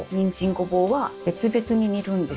ゴボウは別々に煮るんですよ。